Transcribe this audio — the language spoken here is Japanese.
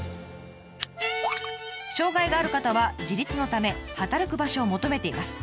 障害がある方は自立のため働く場所を求めています。